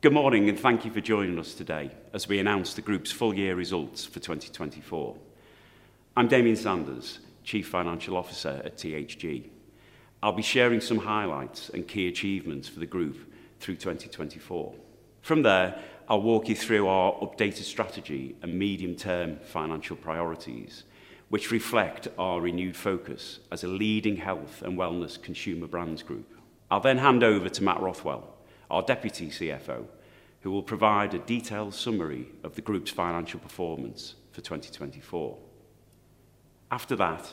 Good morning, and thank you for joining us today as we announce the Group's full-year results for 2024. I'm Damian Sanders, Chief Financial Officer at THG. I'll be sharing some highlights and key achievements for the Group through 2024. From there, I'll walk you through our updated strategy and medium-term financial priorities, which reflect our renewed focus as a leading health and wellness consumer brands group. I'll then hand over to Matt Rothwell, our Deputy CFO, who will provide a detailed summary of the Group's financial performance for 2024. After that,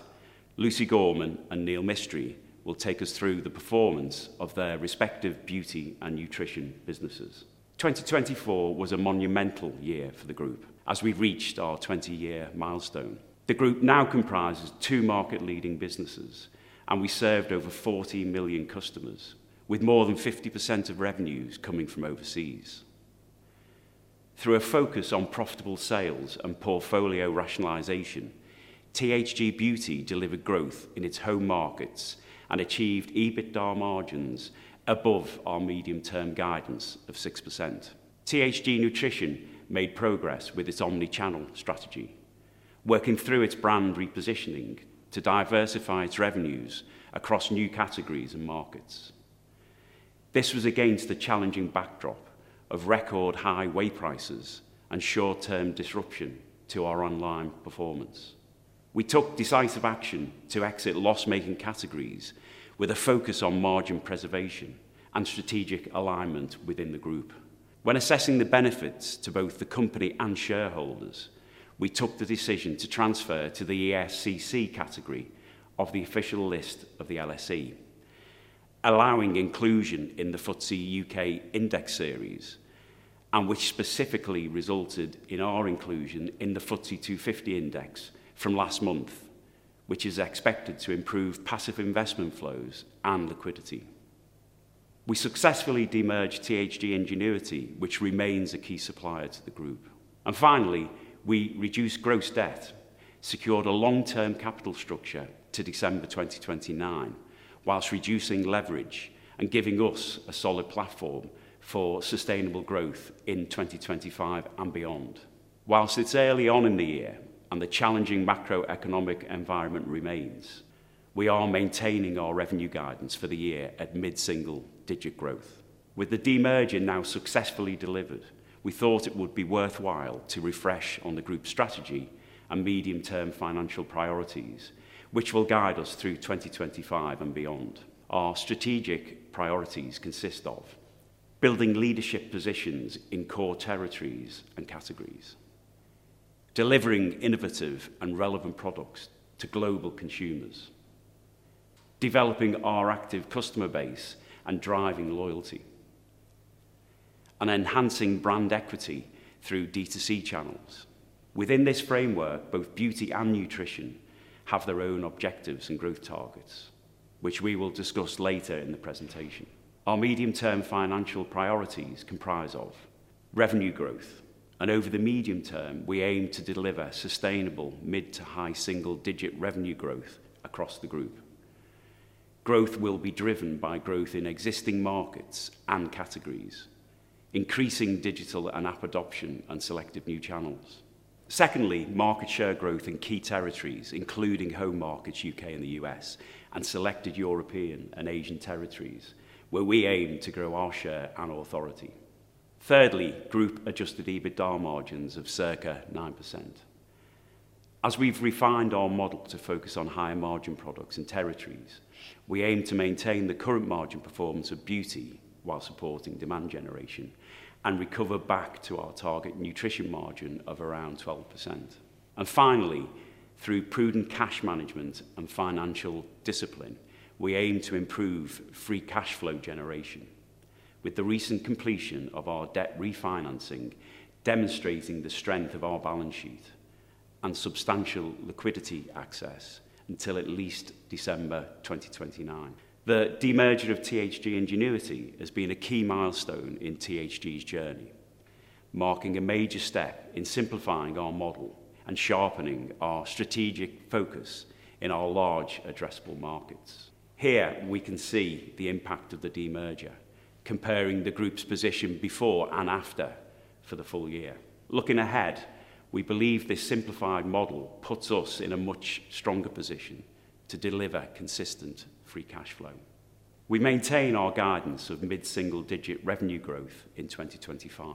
Lucy Gorman and Neil Mistry will take us through the performance of their respective beauty and nutrition businesses. 2024 was a monumental year for the Group as we reached our 20-year milestone. The Group now comprises two market-leading businesses, and we served over 40 million customers, with more than 50% of revenues coming from overseas. Through a focus on profitable sales and portfolio rationalization, THG Beauty delivered growth in its home markets and achieved EBITDA margins above our medium-term guidance of 6%. THG Nutrition made progress with its omnichannel strategy, working through its brand repositioning to diversify its revenues across new categories and markets. This was against the challenging backdrop of record-high whey prices and short-term disruption to our online performance. We took decisive action to exit loss-making categories with a focus on margin preservation and strategic alignment within the Group. When assessing the benefits to both the company and shareholders, we took the decision to transfer to the ESCC category of the official list of the LSE, allowing inclusion in the FTSE UK Index Series, which specifically resulted in our inclusion in the FTSE 250 Index from last month, which is expected to improve passive investment flows and liquidity. We successfully demerged THG Ingenuity, which remains a key supplier to the Group. Finally, we reduced gross debt, secured a long-term capital structure to December 2029, whilst reducing leverage and giving us a solid platform for sustainable growth in 2025 and beyond. Whilst it's early on in the year and the challenging macroeconomic environment remains, we are maintaining our revenue guidance for the year at mid-single-digit growth. With the demerging now successfully delivered, we thought it would be worthwhile to refresh on the Group's strategy and medium-term financial priorities, which will guide us through 2025 and beyond. Our strategic priorities consist of building leadership positions in core territories and categories, delivering innovative and relevant products to global consumers, developing our active customer base and driving loyalty, and enhancing brand equity through D2C channels. Within this framework, both beauty and nutrition have their own objectives and growth targets, which we will discuss later in the presentation. Our medium-term financial priorities comprise revenue growth, and over the medium term, we aim to deliver sustainable mid-to-high single-digit revenue growth across the Group. Growth will be driven by growth in existing markets and categories, increasing digital and app adoption, and selective new channels. Secondly, market share growth in key territories, including home markets U.K. and the U.S., and selected European and Asian territories, where we aim to grow our share and authority. Thirdly, Group-adjusted EBITDA margins of circa 9%. As we have refined our model to focus on higher margin products and territories, we aim to maintain the current margin performance of beauty while supporting demand generation and recover back to our target nutrition margin of around 12%. Through prudent cash management and financial discipline, we aim to improve free cash flow generation with the recent completion of our debt refinancing, demonstrating the strength of our balance sheet and substantial liquidity access until at least December 2029. The demerging of THG Ingenuity has been a key milestone in THG's journey, marking a major step in simplifying our model and sharpening our strategic focus in our large addressable markets. Here, we can see the impact of the demerger, comparing the Group's position before and after for the full year. Looking ahead, we believe this simplified model puts us in a much stronger position to deliver consistent free cash flow. We maintain our guidance of mid-single-digit revenue growth in 2025,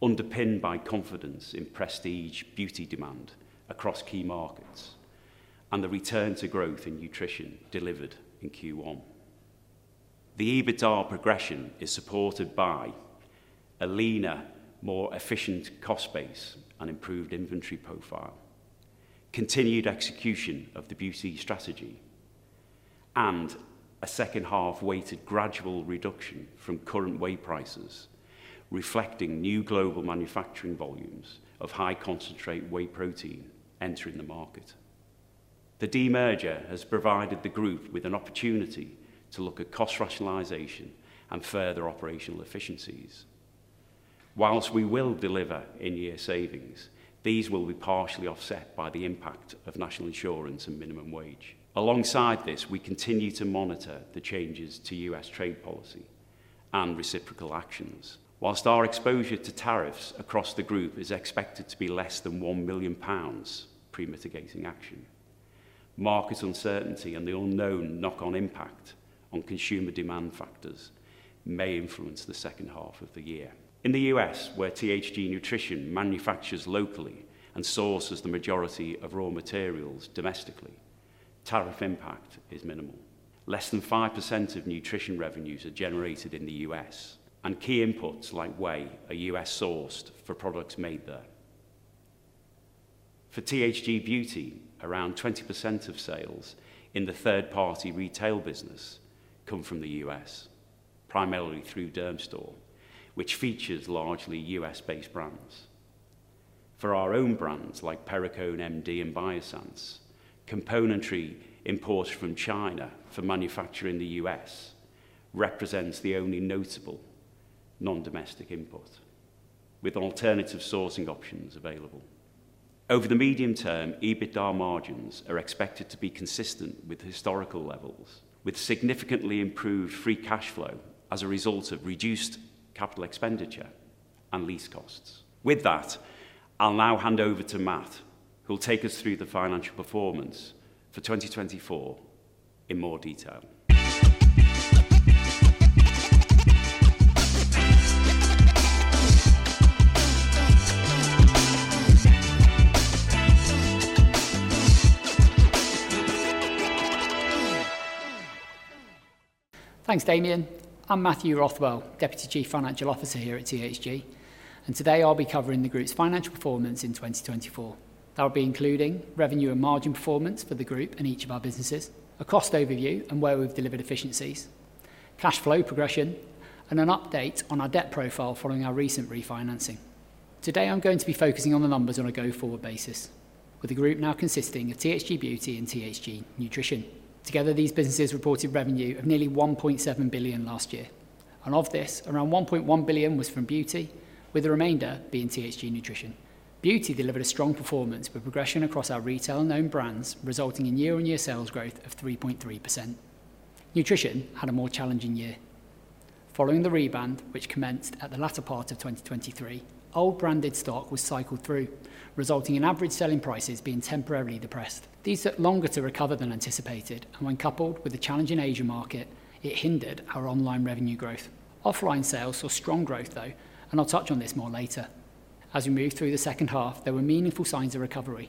underpinned by confidence in prestige beauty demand across key markets and the return to growth in nutrition delivered in Q1. The EBITDA progression is supported by a leaner, more efficient cost base and improved inventory profile, continued execution of the beauty strategy, and a second-half-weighted gradual reduction from current whey prices, reflecting new global manufacturing volumes of high-concentrate whey protein entering the market. The demerger has provided the Group with an opportunity to look at cost rationalization and further operational efficiencies. Whilst we will deliver in-year savings, these will be partially offset by the impact of National Insurance and minimum wage. Alongside this, we continue to monitor the changes to U.S. trade policy and reciprocal actions. Whilst our exposure to tariffs across the Group is expected to be less than 1 million pounds pre-mitigating action, market uncertainty and the unknown knock-on impact on consumer demand factors may influence the second half of the year. In the U.S., where THG Nutrition manufactures locally and sources the majority of raw materials domestically, tariff impact is minimal. Less than 5% of nutrition revenues are generated in the U.S., and key inputs like whey are U.S.-sourced for products made there. For THG Beauty, around 20% of sales in the third-party retail business come from the US, primarily through Dermstore, which features largely U.S.-based brands. For our own brands like Perricone MD and Biossance, componentry imported from China for manufacture in the U.S. represents the only notable non-domestic input, with alternative sourcing options available. Over the medium term, EBITDA margins are expected to be consistent with historical levels, with significantly improved free cash flow as a result of reduced capital expenditure and lease costs. With that, I'll now hand over to Matt, who will take us through the financial performance for 2024 in more detail. Thanks, Damian. I'm Matt Rothwell, Deputy Chief Financial Officer here at THG, and today I'll be covering the Group's financial performance in 2024. That will be including revenue and margin performance for the Group and each of our businesses, a cost overview and where we've delivered efficiencies, cash flow progression, and an update on our debt profile following our recent refinancing. Today, I'm going to be focusing on the numbers on a go-forward basis, with the Group now consisting of THG Beauty and THG Nutrition. Together, these businesses reported revenue of nearly 1.7 billion last year, and of this, around 1.1 billion was from beauty, with the remainder being THG Nutrition. Beauty delivered a strong performance with progression across our retail and owned brands, resulting in year-on-year sales growth of 3.3%. Nutrition had a more challenging year. Following the rebound, which commenced at the latter part of 2023, old branded stock was cycled through, resulting in average selling prices being temporarily depressed. These took longer to recover than anticipated, and when coupled with the challenging Asian market, it hindered our online revenue growth. Offline sales saw strong growth, though, and I will touch on this more later. As we move through the second half, there were meaningful signs of recovery,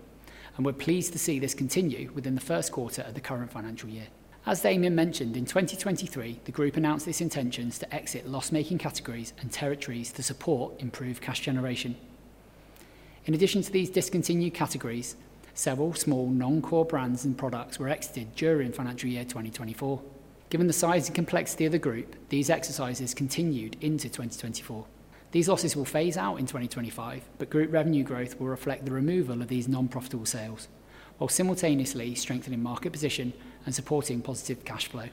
and we are pleased to see this continue within the first quarter of the current financial year. As Damian mentioned, in 2023, the Group announced its intentions to exit loss-making categories and territories to support improved cash generation. In addition to these discontinued categories, several small non-core brands and products were exited during financial year 2024. Given the size and complexity of the Group, these exercises continued into 2024. These losses will phase out in 2025, but Group revenue growth will reflect the removal of these non-profitable sales, while simultaneously strengthening market position and supporting positive cash flow.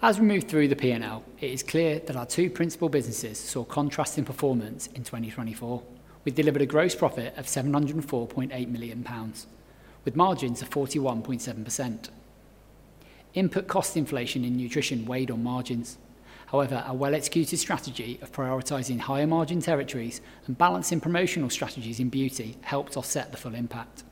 As we move through the P&L, it is clear that our two principal businesses saw contrasting performance in 2024. We delivered a gross profit of 704.8 million pounds, with margins of 41.7%. Input cost inflation in nutrition weighed on margins. However, our well-executed strategy of prioritizing higher margin territories and balancing promotional strategies in beauty helped offset the full impact.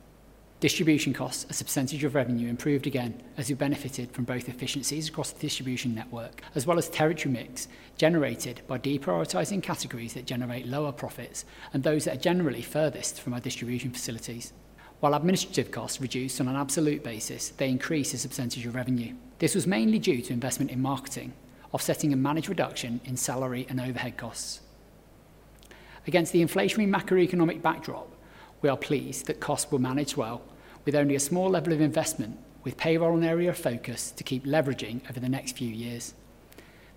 Distribution costs, a sub-percentage of revenue, improved again as we benefited from both efficiencies across the distribution network, as well as territory mix generated by deprioritizing categories that generate lower profits and those that are generally furthest from our distribution facilities. While administrative costs reduced on an absolute basis, they increased as a sub-percentage of revenue. This was mainly due to investment in marketing, offsetting a managed reduction in salary and overhead costs. Against the inflationary macroeconomic backdrop, we are pleased that costs were managed well, with only a small level of investment, with payroll an area of focus to keep leveraging over the next few years.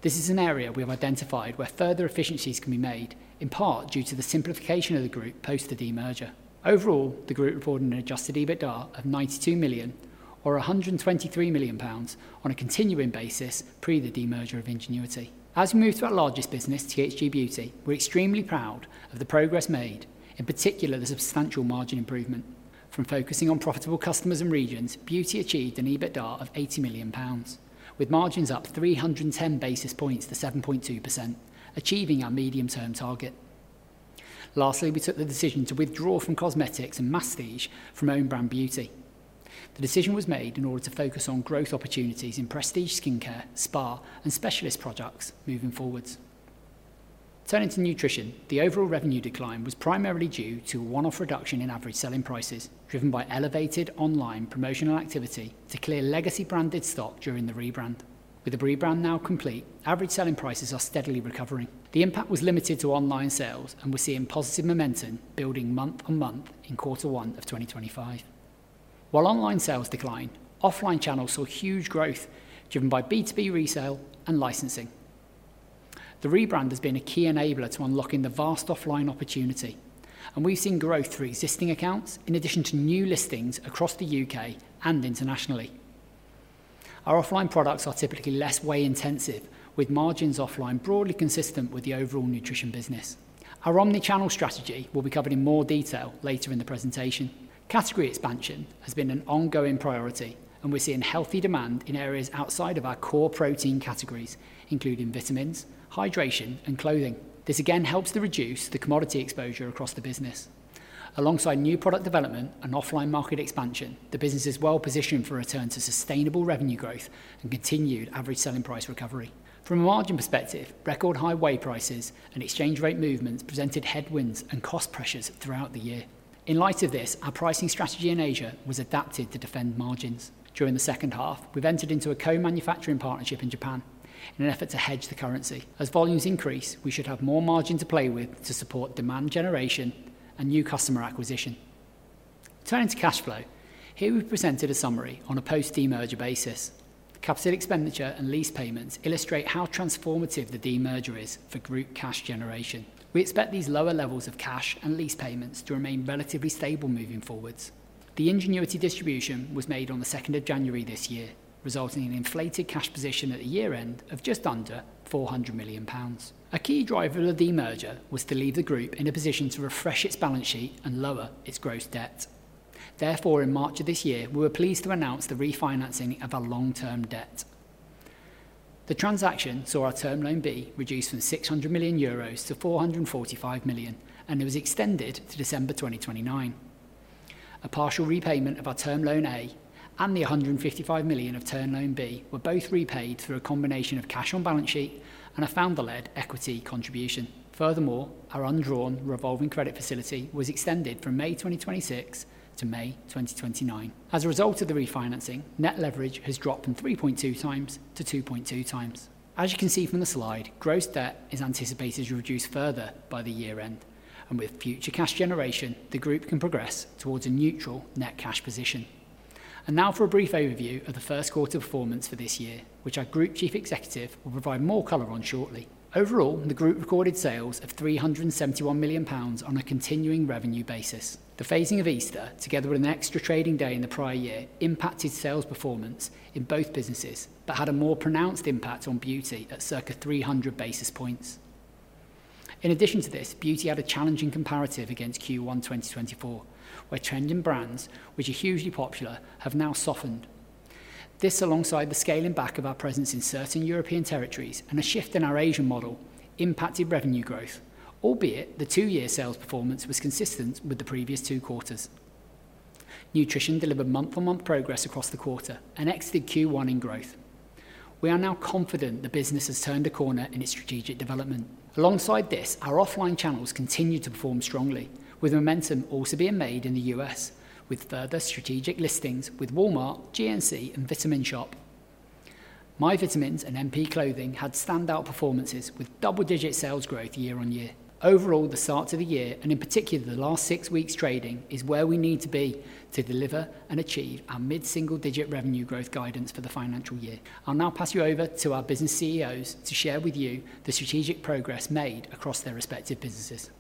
This is an area we have identified where further efficiencies can be made, in part due to the simplification of the Group post the demerger. Overall, the Group reported an adjusted EBITDA of 92 million, or 123 million pounds, on a continuing basis pre the demerger of Ingenuity. As we move to our largest business, THG Beauty, we're extremely proud of the progress made, in particular the substantial margin improvement. From focusing on profitable customers and regions, beauty achieved an EBITDA of 80 million pounds, with margins up 310 basis points to 7.2%, achieving our medium-term target. Lastly, we took the decision to withdraw from cosmetics and masstige from owned brand beauty. The decision was made in order to focus on growth opportunities in prestige skincare, spa, and specialist products moving forwards. Turning to nutrition, the overall revenue decline was primarily due to a one-off reduction in average selling prices driven by elevated online promotional activity to clear legacy branded stock during the rebrand. With the rebrand now complete, average selling prices are steadily recovering. The impact was limited to online sales and we're seeing positive momentum building month on month in quarter one of 2025. While online sales declined, offline channels saw huge growth driven by B2B resale and licensing. The rebrand has been a key enabler to unlocking the vast offline opportunity, and we've seen growth through existing accounts in addition to new listings across the U.K. and internationally. Our offline products are typically less weigh-intensive, with margins offline broadly consistent with the overall nutrition business. Our omnichannel strategy will be covered in more detail later in the presentation. Category expansion has been an ongoing priority, and we're seeing healthy demand in areas outside of our core protein categories, including vitamins, hydration, and clothing. This again helps to reduce the commodity exposure across the business. Alongside new product development and offline market expansion, the business is well positioned for return to sustainable revenue growth and continued average selling price recovery. From a margin perspective, record high whey prices and exchange rate movements presented headwinds and cost pressures throughout the year. In light of this, our pricing strategy in Asia was adapted to defend margins. During the second half, we've entered into a co-manufacturing partnership in Japan in an effort to hedge the currency. As volumes increase, we should have more margin to play with to support demand generation and new customer acquisition. Turning to cash flow, here we have presented a summary on a post-demerger basis. Capital expenditure and lease payments illustrate how transformative the demerger is for Group cash generation. We expect these lower levels of cash and lease payments to remain relatively stable moving forwards. The Ingenuity distribution was made on the 2nd of January this year, resulting in an inflated cash position at the year-end of just under 400 million pounds. A key driver of the demerger was to leave the Group in a position to refresh its balance sheet and lower its gross debt. Therefore, in March of this year, we were pleased to announce the refinancing of our long-term debt. The transaction saw our Term Loan B reduced from 600 million euros to 445 million, and it was extended to December 2029. A partial repayment of our Term Loan A and the 155 million of Term Loan B were both repaid through a combination of cash on balance sheet and a founder-led equity contribution. Furthermore, our undrawn revolving credit facility was extended from May 2026 to May 2029. As a result of the refinancing, net leverage has dropped from 3.2 times to 2.2 times. As you can see from the slide, gross debt is anticipated to reduce further by the year-end, and with future cash generation, the Group can progress towards a neutral net cash position. Now for a brief overview of the first quarter performance for this year, which our Group Chief Executive will provide more color on shortly. Overall, the Group recorded sales of 371 million pounds on a continuing revenue basis. The phasing of Easter, together with an extra trading day in the prior year, impacted sales performance in both businesses, but had a more pronounced impact on beauty at circa 300 basis points. In addition to this, beauty had a challenging comparative against Q1 2024, where trending brands, which are hugely popular, have now softened. This, alongside the scaling back of our presence in certain European territories and a shift in our Asian model, impacted revenue growth, albeit the two-year sales performance was consistent with the previous two quarters. Nutrition delivered month-on-month progress across the quarter and exited Q1 in growth. We are now confident the business has turned a corner in its strategic development. Alongside this, our offline channels continue to perform strongly, with momentum also being made in the U.S. with further strategic listings with Walmart, GNC, and The Vitamin Shoppe. Myvitamins and MP Activewear had standout performances with double-digit sales growth year on year. Overall, the start of the year, and in particular the last six weeks trading, is where we need to be to deliver and achieve our mid-single-digit revenue growth guidance for the financial year. I'll now pass you over to our business CEOs to share with you the strategic progress made across their respective businesses.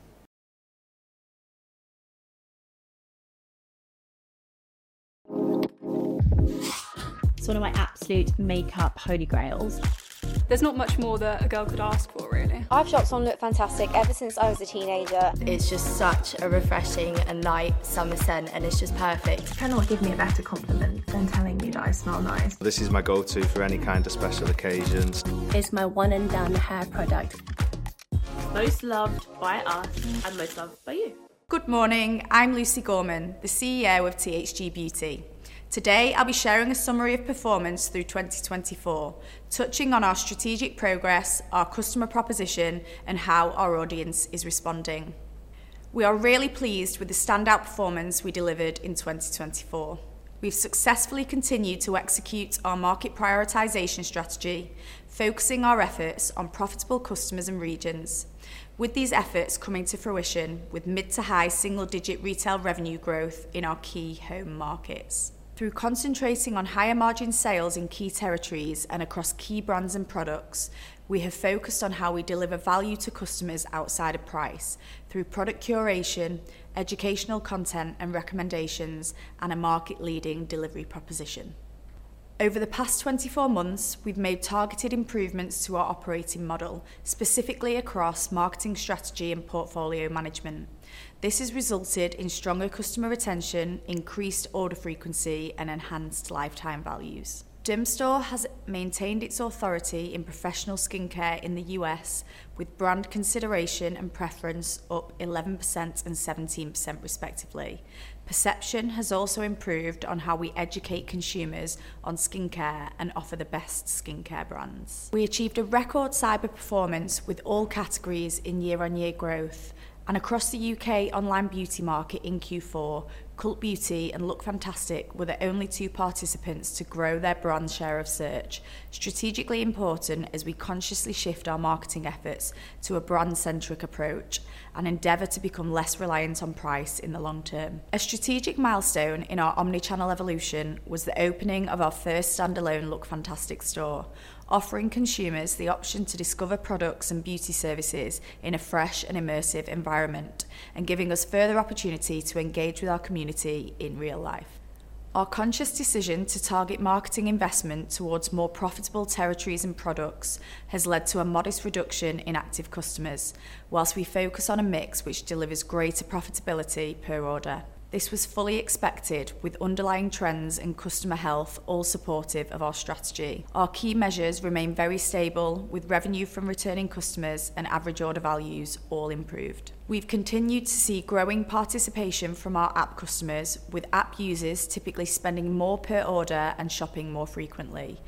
It's one of my absolute makeup holy grails. There's not much more that a girl could ask for, really. I've shopped on Lookfantastic ever since I was a teenager. It's just such a refreshing and light summer scent, and it's just perfect. You cannot give me a better compliment than telling me that I smell nice. This is my go-to for any kind of special occasions. It's my one-and-done hair product. Most loved by us and most loved by you. Good morning. I'm Lucy Gorman, the CEO of THG Beauty. Today, I'll be sharing a summary of performance through 2024, touching on our strategic progress, our customer proposition, and how our audience is responding. We are really pleased with the standout performance we delivered in 2024. We've successfully continued to execute our market prioritization strategy, focusing our efforts on profitable customers and regions, with these efforts coming to fruition with mid-to-high single-digit retail revenue growth in our key home markets. Through concentrating on higher margin sales in key territories and across key brands and products, we have focused on how we deliver value to customers outside of price through product curation, educational content and recommendations, and a market-leading delivery proposition. Over the past 24 months, we've made targeted improvements to our operating model, specifically across marketing strategy and portfolio management. This has resulted in stronger customer retention, increased order frequency, and enhanced lifetime values. Dermstore has maintained its authority in professional skincare in the U.S., with brand consideration and preference up 11% and 17%, respectively. Perception has also improved on how we educate consumers on skincare and offer the best skincare brands. We achieved a record cyber performance with all categories in year-on-year growth, and across the U.K. online beauty market in Q4, Cult Beauty and Lookfantastic were the only two participants to grow their brand share of search, strategically important as we consciously shift our marketing efforts to a brand-centric approach and endeavor to become less reliant on price in the long term. A strategic milestone in our omnichannel evolution was the opening of our first standalone Lookfantastic store, offering consumers the option to discover products and beauty services in a fresh and immersive environment and giving us further opportunity to engage with our community in real life. Our conscious decision to target marketing investment towards more profitable territories and products has led to a modest reduction in active customers, whilst we focus on a mix which delivers greater profitability per order. This was fully expected, with underlying trends and customer health all supportive of our strategy. Our key measures remain very stable, with revenue from returning customers and average order values all improved. We've continued to see growing participation from our app customers, with app users typically spending more per order and shopping more frequently.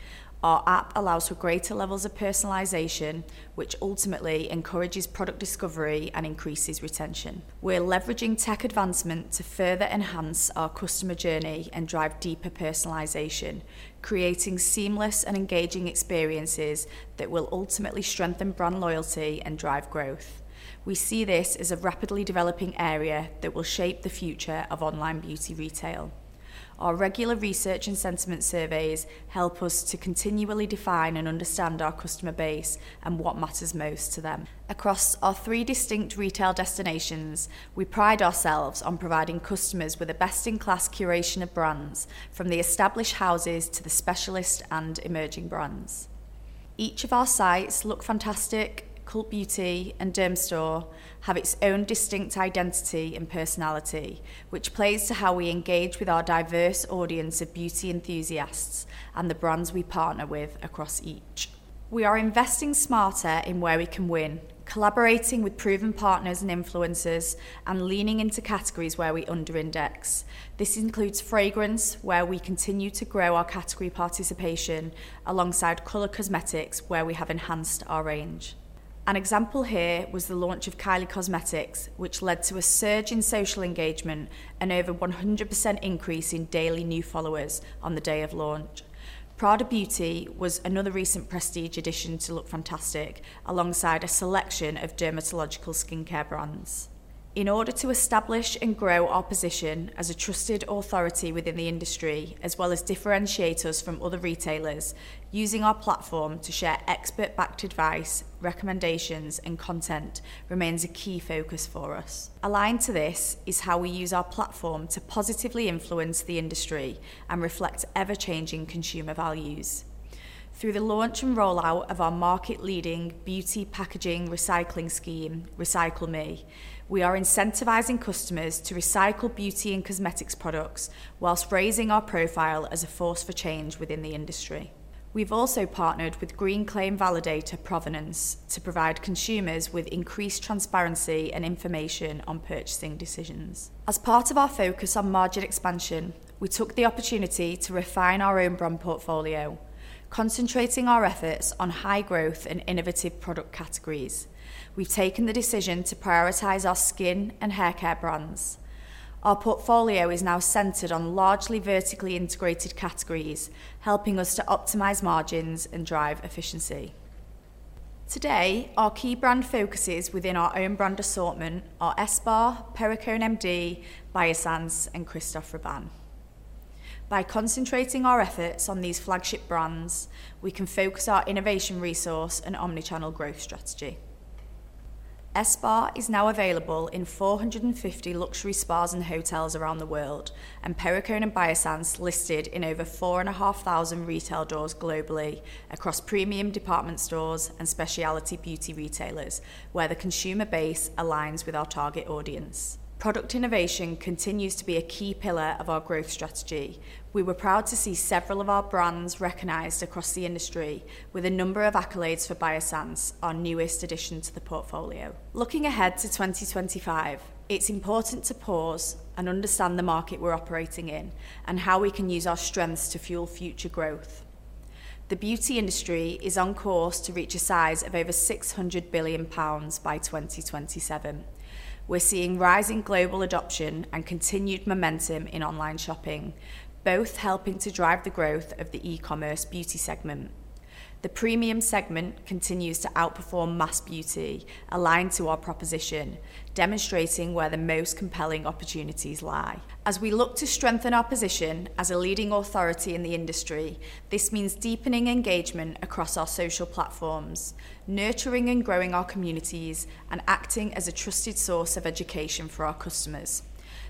Our app allows for greater levels of personalisation, which ultimately encourages product discovery and increases retention. We're leveraging tech advancement to further enhance our customer journey and drive deeper personalisation, creating seamless and engaging experiences that will ultimately strengthen brand loyalty and drive growth. We see this as a rapidly developing area that will shape the future of online beauty retail. Our regular research and sentiment surveys help us to continually define and understand our customer base and what matters most to them. Across our three distinct retail destinations, we pride ourselves on providing customers with a best-in-class curation of brands, from the established houses to the specialist and emerging brands. Each of our sites, Lookfantastic, Cult Beauty, and Dermstore, has its own distinct identity and personality, which plays to how we engage with our diverse audience of beauty enthusiasts and the brands we partner with across each. We are investing smarter in where we can win, collaborating with proven partners and influencers, and leaning into categories where we underindex. This includes fragrance, where we continue to grow our category participation, alongside color cosmetics, where we have enhanced our range. An example here was the launch of Kylie Cosmetics, which led to a surge in social engagement and over a 100% increase in daily new followers on the day of launch. Prada Beauty was another recent prestige addition to Lookfantastic, alongside a selection of dermatological skincare brands. In order to establish and grow our position as a trusted authority within the industry, as well as differentiate us from other retailers, using our platform to share expert-backed advice, recommendations, and content remains a key focus for us. Aligned to this is how we use our platform to positively influence the industry and reflect ever-changing consumer values. Through the launch and rollout of our market-leading beauty packaging recycling scheme, Recycle:Me, we are incentivizing customers to recycle beauty and cosmetics products while raising our profile as a force for change within the industry. We've also partnered with green claim validator Provenance to provide consumers with increased transparency and information on purchasing decisions. As part of our focus on margin expansion, we took the opportunity to refine our own brand portfolio, concentrating our efforts on high-growth and innovative product categories. We've taken the decision to prioritize our skin and haircare brands. Our portfolio is now centered on largely vertically integrated categories, helping us to optimize margins and drive efficiency. Today, our key brand focuses within our own brand assortment are ESPA, Perricone MD, Biossance, and Christophe Robin. By concentrating our efforts on these flagship brands, we can focus our innovation resource and omnichannel growth strategy. ESPA is now available in 450 luxury spas and hotels around the world, and Perricone MD and Biossance listed in over 4,500 retail doors globally across premium department stores and specialty beauty retailers, where the consumer base aligns with our target audience. Product innovation continues to be a key pillar of our growth strategy. We were proud to see several of our brands recognized across the industry, with a number of accolades for Biossance, our newest addition to the portfolio. Looking ahead to 2025, it's important to pause and understand the market we're operating in and how we can use our strengths to fuel future growth. The beauty industry is on course to reach a size of over 600 billion pounds by 2027. We're seeing rising global adoption and continued momentum in online shopping, both helping to drive the growth of the e-commerce beauty segment. The premium segment continues to outperform mass beauty, aligned to our proposition, demonstrating where the most compelling opportunities lie. As we look to strengthen our position as a leading authority in the industry, this means deepening engagement across our social platforms, nurturing and growing our communities, and acting as a trusted source of education for our customers.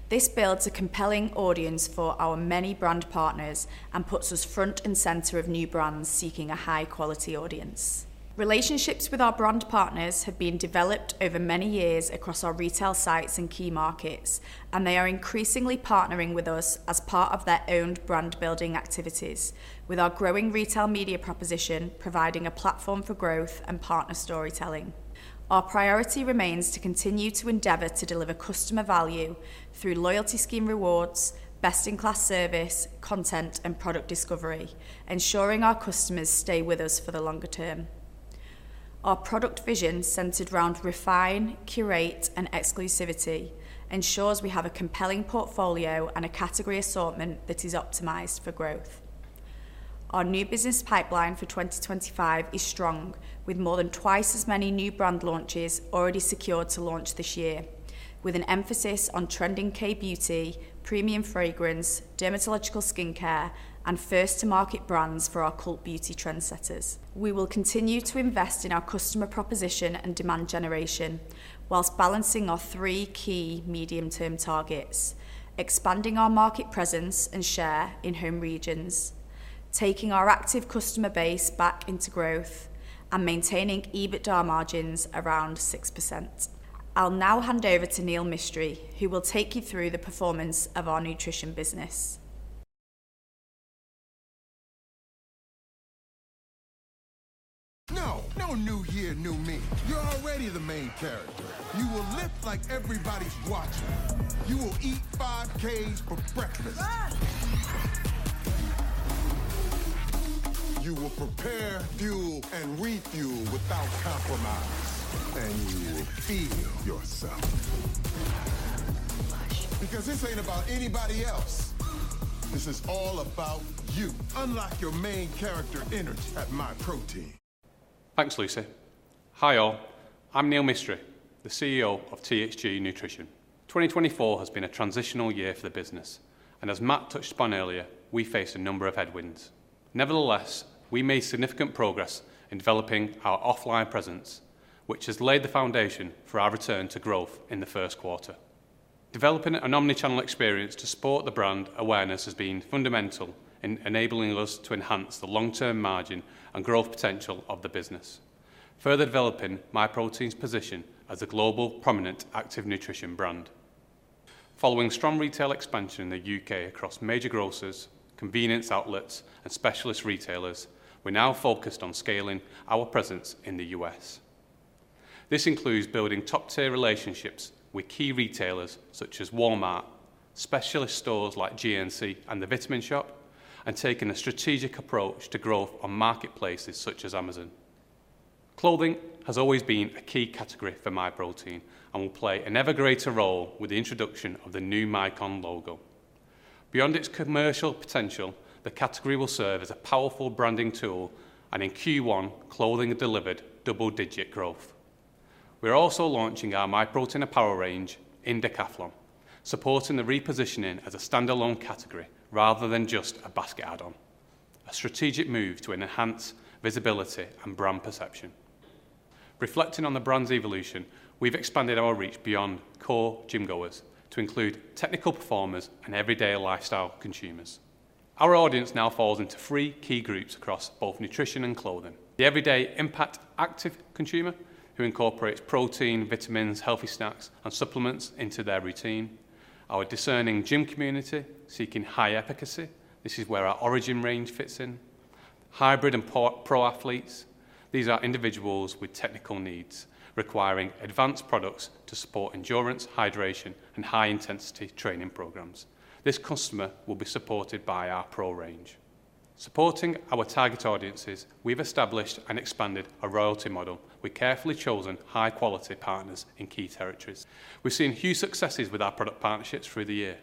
This builds a compelling audience for our many brand partners and puts us front and center of new brands seeking a high-quality audience. Relationships with our brand partners have been developed over many years across our retail sites and key markets, and they are increasingly partnering with us as part of their own brand-building activities, with our growing retail media proposition providing a platform for growth and partner storytelling. Our priority remains to continue to endeavour to deliver customer value through loyalty scheme rewards, best-in-class service, content, and product discovery, ensuring our customers stay with us for the longer term. Our product vision, centred around refine, curate, and exclusivity, ensures we have a compelling portfolio and a category assortment that is optimized for growth. Our new business pipeline for 2025 is strong, with more than twice as many new brand launches already secured to launch this year, with an emphasis on trending K-beauty, premium fragrance, dermatological skincare, and first-to-market brands for our Cult Beauty trendsetters. We will continue to invest in our customer proposition and demand generation whilst balancing our three key medium-term targets: expanding our market presence and share in home regions, taking our active customer base back into growth, and maintaining EBITDA margins around 6%. I'll now hand over to Neil Mistry, who will take you through the performance of our nutrition business. No, no new year, new me. You're already the main character. You will live like everybody's watching. You will eat 5Ks for breakfast. You will prepare, fuel, and refuel without compromise, and you will feel yourself. Because this ain't about anybody else. This is all about you. Unlock your main character energy at Myprotein. Thanks, Lucy. Hi all. I'm Neil Mistry, the CEO of THG Nutrition. 2024 has been a transitional year for the business, and as Matt touched upon earlier, we faced a number of headwinds. Nevertheless, we made significant progress in developing our offline presence, which has laid the foundation for our return to growth in the first quarter. Developing an omnichannel experience to support the brand awareness has been fundamental in enabling us to enhance the long-term margin and growth potential of the business, further developing Myprotein's position as a global prominent active nutrition brand. Following strong retail expansion in the U.K. across major grocers, convenience outlets, and specialist retailers, we're now focused on scaling our presence in the U.S. This includes building top-tier relationships with key retailers such as Walmart, specialist stores like GNC and The Vitamin Shoppe, and taking a strategic approach to growth on marketplaces such as Amazon. Clothing has always been a key category for Myprotein and will play an ever greater role with the introduction of the new Mycon logo. Beyond its commercial potential, the category will serve as a powerful branding tool, and in Q1, clothing delivered double-digit growth. We're also launching our Myprotein apparel range in Decathlon, supporting the repositioning as a standalone category rather than just a basket add-on, a strategic move to enhance visibility and brand perception. Reflecting on the brand's evolution, we've expanded our reach beyond core gym goers to include technical performers and everyday lifestyle consumers. Our audience now falls into three key groups across both nutrition and clothing. The everyday impact-active consumer who incorporates protein, vitamins, healthy snacks, and supplements into their routine. Our discerning gym community seeking high efficacy. This is where our Origin range fits in. Hybrid and pro athletes. These are individuals with technical needs requiring advanced products to support endurance, hydration, and high-intensity training programmes. This customer will be supported by our Pro range. Supporting our target audiences, we've established and expanded our royalty model. We've carefully chosen high-quality partners in key territories. We've seen huge successes with our product partnerships through the year.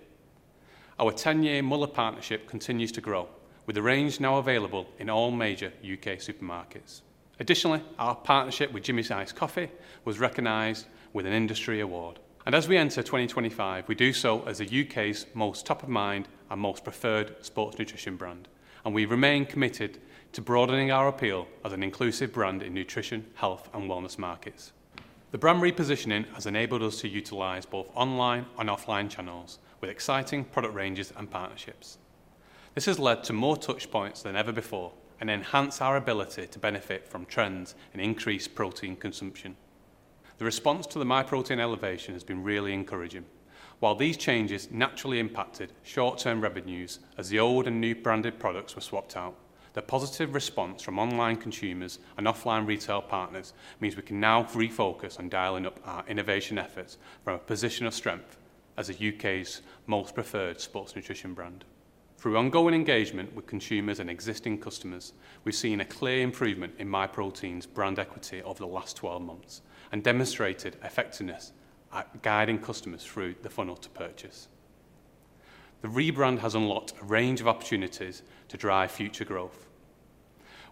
Our 10-year Müller partnership continues to grow, with the range now available in all major U.K. supermarkets. Additionally, our partnership with Jimmy's Iced Coffee was recognized with an industry award. As we enter 2025, we do so as the U.K.'s most top-of-mind and most preferred sports nutrition brand, and we remain committed to broadening our appeal as an inclusive brand in nutrition, health, and wellness markets. The brand repositioning has enabled us to utilize both online and offline channels with exciting product ranges and partnerships. This has led to more touchpoints than ever before and enhanced our ability to benefit from trends and increase protein consumption. The response to the Myprotein elevation has been really encouraging. While these changes naturally impacted short-term revenues as the old and new branded products were swapped out, the positive response from online consumers and offline retail partners means we can now refocus on dialing up our innovation efforts from a position of strength as the U.K.'s most preferred sports nutrition brand. Through ongoing engagement with consumers and existing customers, we've seen a clear improvement in Myprotein's brand equity over the last 12 months and demonstrated effectiveness at guiding customers through the funnel to purchase. The rebrand has unlocked a range of opportunities to drive future growth.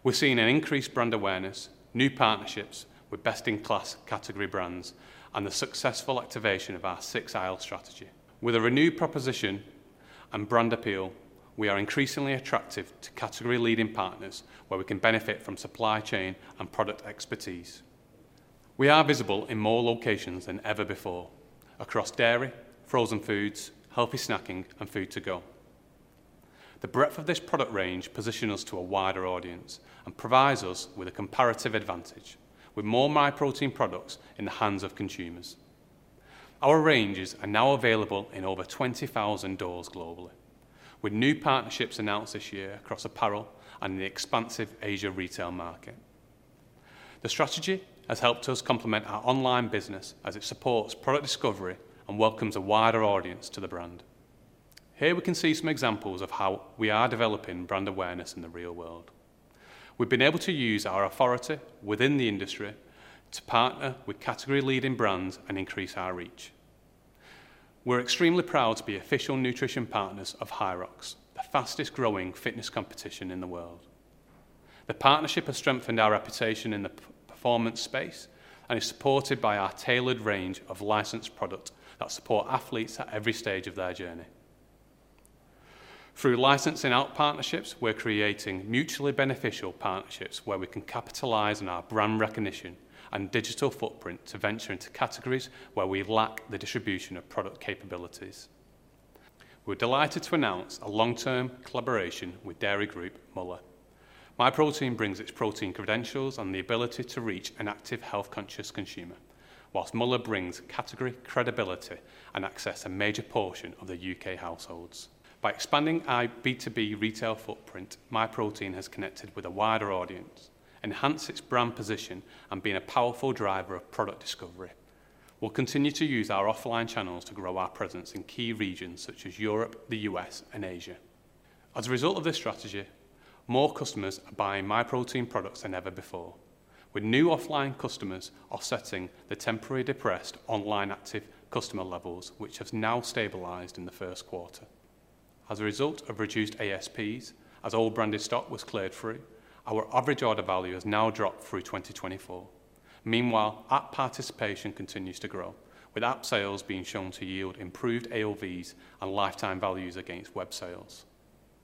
We're seeing an increased brand awareness, new partnerships with best-in-class category brands, and the successful activation of our six aisle strategy. With a renewed proposition and brand appeal, we are increasingly attractive to category leading partners where we can benefit from supply chain and product expertise. We are visible in more locations than ever before, across dairy, frozen foods, healthy snacking, and food to go. The breadth of this product range positions us to a wider audience and provides us with a comparative advantage, with more Myprotein products in the hands of consumers. Our ranges are now available in over 20,000 doors globally, with new partnerships announced this year across apparel and the expansive Asia retail market. The strategy has helped us complement our online business as it supports product discovery and welcomes a wider audience to the brand. Here we can see some examples of how we are developing brand awareness in the real world. We've been able to use our authority within the industry to partner with category leading brands and increase our reach. We're extremely proud to be official nutrition partners of HYROX, the fastest-growing fitness competition in the world. The partnership has strengthened our reputation in the performance space and is supported by our tailored range of licensed products that support athletes at every stage of their journey. Through licensing out partnerships, we're creating mutually beneficial partnerships where we can capitalize on our brand recognition and digital footprint to venture into categories where we lack the distribution or product capabilities. We're delighted to announce a long-term collaboration with dairy group Müller. Myprotein brings its protein credentials and the ability to reach an active health-conscious consumer, whilst Müller brings category credibility and access to a major portion of U.K. households. By expanding our B2B retail footprint, Myprotein has connected with a wider audience, enhanced its brand position, and been a powerful driver of product discovery. We'll continue to use our offline channels to grow our presence in key regions such as Europe, the U.S., and Asia. As a result of this strategy, more customers are buying Myprotein products than ever before, with new offline customers offsetting the temporary depressed online active customer levels, which have now stabilized in the first quarter. As a result of reduced ASPs, as all branded stock was cleared through, our average order value has now dropped through 2024. Meanwhile, app participation continues to grow, with app sales being shown to yield improved AOVs and lifetime values against web sales.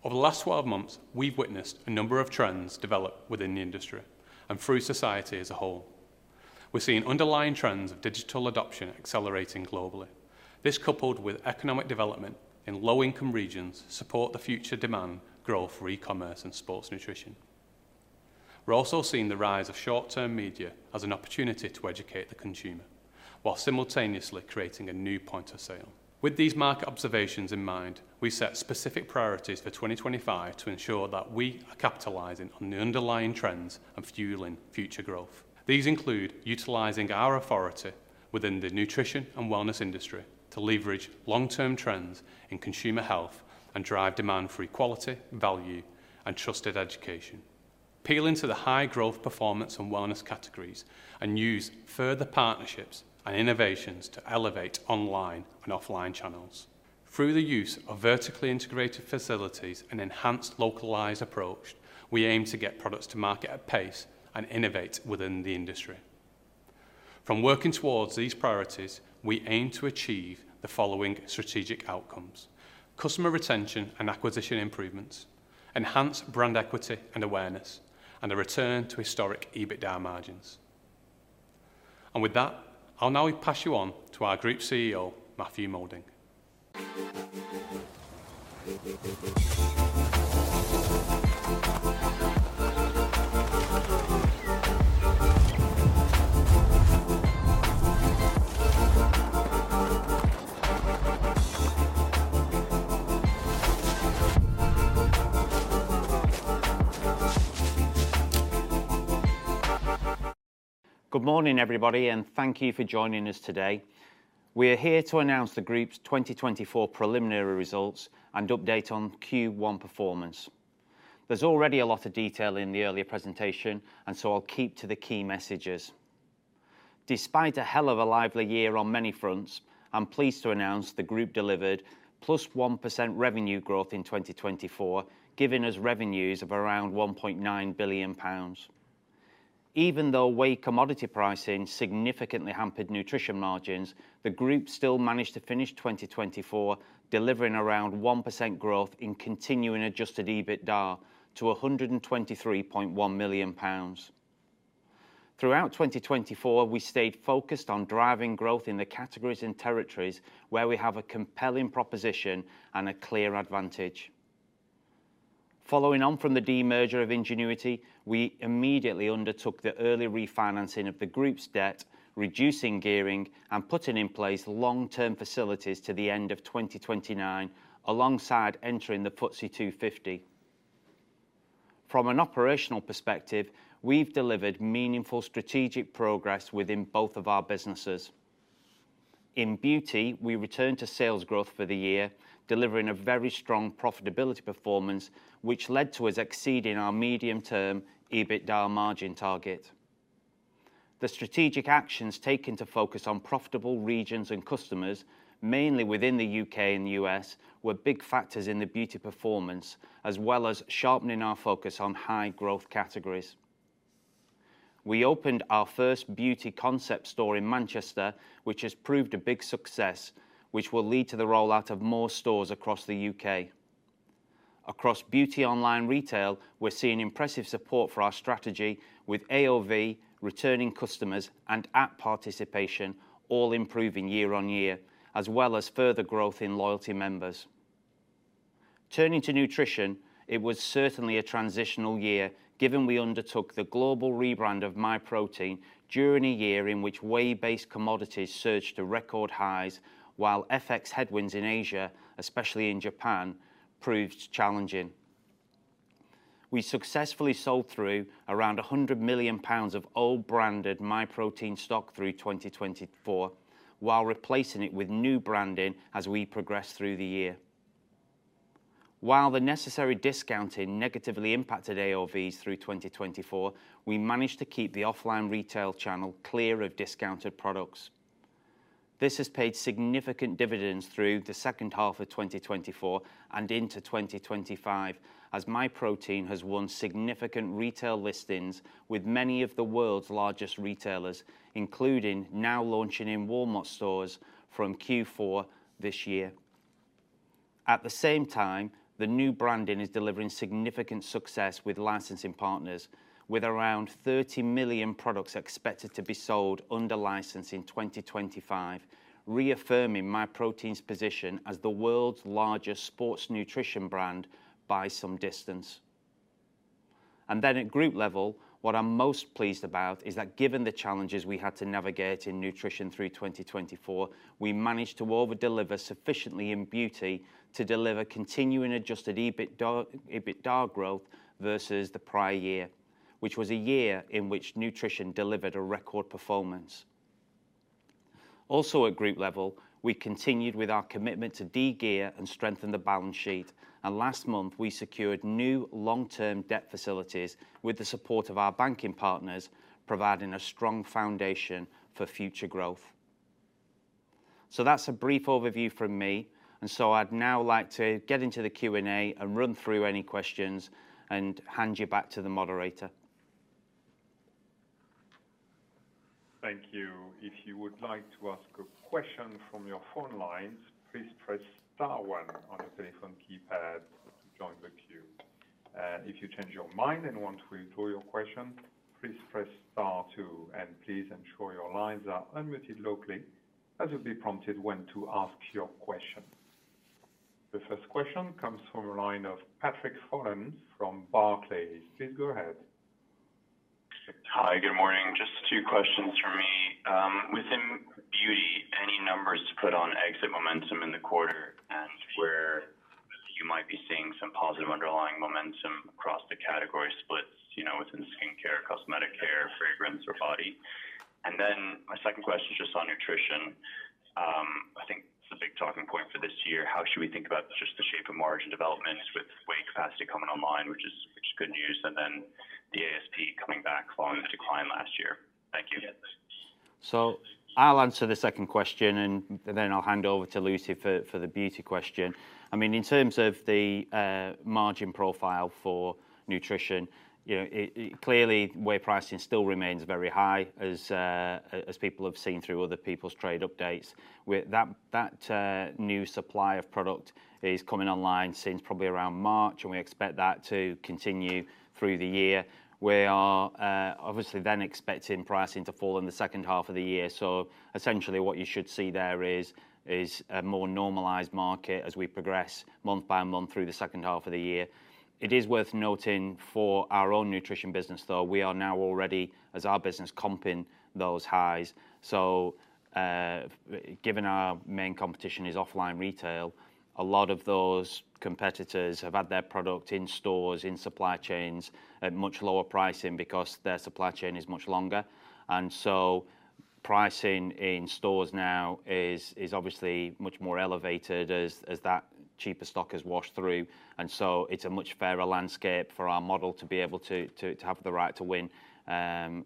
Over the last 12 months, we've witnessed a number of trends develop within the industry and through society as a whole. We're seeing underlying trends of digital adoption accelerating globally. This, coupled with economic development in low-income regions, supports the future demand growth for e-commerce and sports nutrition. We're also seeing the rise of short-term media as an opportunity to educate the consumer, while simultaneously creating a new point of sale. With these market observations in mind, we set specific priorities for 2025 to ensure that we are capitalizing on the underlying trends and fueling future growth. These include utilizing our authority within the nutrition and wellness industry to leverage long-term trends in consumer health and drive demand for equality, value, and trusted education. Peel into the high growth performance and wellness categories and use further partnerships and innovations to elevate online and offline channels. Through the use of vertically integrated facilities and an enhanced localized approach, we aim to get products to market at pace and innovate within the industry. From working towards these priorities, we aim to achieve the following strategic outcomes: customer retention and acquisition improvements, enhanced brand equity and awareness, and a return to historic EBITDA margins. I'll now pass you on to our Group CEO, Matthew Moulding. Good morning, everybody, and thank you for joining us today. We are here to announce the Group's 2024 preliminary results and update on Q1 performance. There is already a lot of detail in the earlier presentation, and so I'll keep to the key messages. Despite a hell of a lively year on many fronts, I'm pleased to announce the Group delivered +1% revenue growth in 2024, giving us revenues of around 1.9 billion pounds. Even though whey commodity pricing significantly hampered nutrition margins, the Group still managed to finish 2024, delivering around 1% growth in continuing adjusted EBITDA to 123.1 million pounds. Throughout 2024, we stayed focused on driving growth in the categories and territories where we have a compelling proposition and a clear advantage. Following on from the demerger of Ingenuity, we immediately undertook the early refinancing of the Group's debt, reducing gearing, and putting in place long-term facilities to the end of 2029, alongside entering the FTSE 250. From an operational perspective, we've delivered meaningful strategic progress within both of our businesses. In beauty, we returned to sales growth for the year, delivering a very strong profitability performance, which led to us exceeding our medium-term EBITDA margin target. The strategic actions taken to focus on profitable regions and customers, mainly within the U.K. and the U.S., were big factors in the beauty performance, as well as sharpening our focus on high-growth categories. We opened our first beauty concept store in Manchester, which has proved a big success, which will lead to the rollout of more stores across the U.K. Across beauty online retail, we're seeing impressive support for our strategy, with AOV, returning customers, and app participation all improving year on year, as well as further growth in loyalty members. Turning to nutrition, it was certainly a transitional year, given we undertook the global rebrand of Myprotein during a year in which whey-based commodities surged to record highs, while FX headwinds in Asia, especially in Japan, proved challenging. We successfully sold through around 100 million pounds of old-branded Myprotein stock through 2024, while replacing it with new branding as we progressed through the year. While the necessary discounting negatively impacted AOVs through 2024, we managed to keep the offline retail channel clear of discounted products. This has paid significant dividends through the second half of 2024 and into 2025, as Myprotein has won significant retail listings with many of the world's largest retailers, including now launching in Walmart stores from Q4 this year. At the same time, the new branding is delivering significant success with licensing partners, with around 30 million products expected to be sold under license in 2025, reaffirming Myprotein's position as the world's largest sports nutrition brand by some distance. At Group level, what I'm most pleased about is that given the challenges we had to navigate in nutrition through 2024, we managed to overdeliver sufficiently in beauty to deliver continuing adjusted EBITDA growth versus the prior year, which was a year in which nutrition delivered a record performance. Also at Group level, we continued with our commitment to de-gear and strengthen the balance sheet, and last month we secured new long-term debt facilities with the support of our banking partners, providing a strong foundation for future growth. That is a brief overview from me, and I would now like to get into the Q&A and run through any questions and hand you back to the moderator. Thank you. If you would like to ask a question from your phone lines, please press Star 1 on your telephone keypad to join the queue. If you change your mind and want to withdraw your question, please press Star 2, and please ensure your lines are unmuted locally as you'll be prompted when to ask your question. The first question comes from a line of Patrick Holland from Barclays. Please go ahead. Hi, good morning. Just two questions for me. Within Beauty, any numbers to put on exit momentum in the quarter and where you might be seeing some positive underlying momentum across the category splits, you know, within skincare, cosmetic care, fragrance, or body? My second question is just on Nutrition. I think it's a big talking point for this year. How should we think about just the shape of margin development with whey capacity coming online, which is good news, and the ASP coming back following the decline last year? Thank you. I'll answer the second question, and then I'll hand over to Lucy for the Beauty question. I mean, in terms of the margin profile for nutrition, you know, clearly whey pricing still remains very high, as people have seen through other people's trade updates. That new supply of product is coming online since probably around March, and we expect that to continue through the year. We are obviously then expecting pricing to fall in the second half of the year. Essentially what you should see there is a more normalised market as we progress month by month through the second half of the year. It is worth noting for our own nutrition business, though, we are now already, as our business, comping those highs. Given our main competition is offline retail, a lot of those competitors have had their product in stores, in supply chains, at much lower pricing because their supply chain is much longer. Pricing in stores now is obviously much more elevated as that cheaper stock has washed through. It is a much fairer landscape for our model to be able to have the right to win. We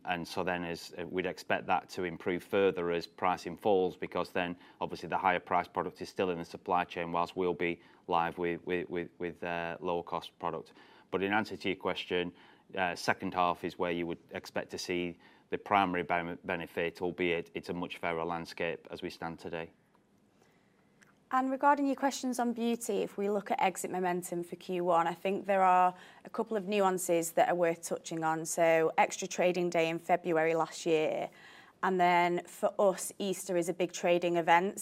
would expect that to improve further as pricing falls because then obviously the higher priced product is still in the supply chain whilst we will be live with lower-cost product. In answer to your question, the second half is where you would expect to see the primary benefit, albeit it is a much fairer landscape as we stand today. Regarding your questions on Beauty, if we look at exit momentum for Q1, I think there are a couple of nuances that are worth touching on. There was an extra trading day in February last year. For us, Easter is a big trading event